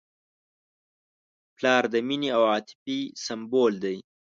پلار د مینې او عاطفې سمبول دی.